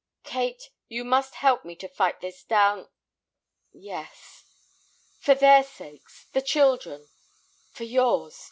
"Kate, you must help me to fight this down—" "Yes." "For their sakes, the children—for yours.